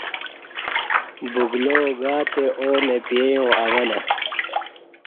بُگلاو گاتے آو نہ پییے یاں اوہ لہ